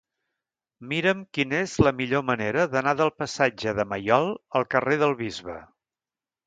Mira'm quina és la millor manera d'anar del passatge de Maiol al carrer del Bisbe.